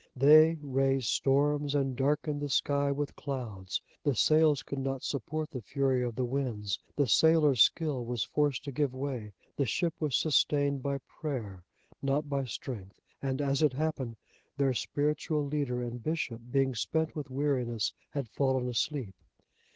They raised storms, and darkened the sky with clouds. The sails could not support the fury of the winds, the sailors' skill was forced to give way, the ship was sustained by prayer, not by strength, and as it happened, their spiritual leader and bishop, being spent with weariness, had fallen asleep.